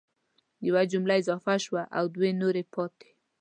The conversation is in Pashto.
یوه جمله اضافه شوه او دوه نورې پاتي